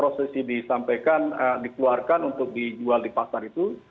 prosesi disampaikan dikeluarkan untuk dijual di pasar itu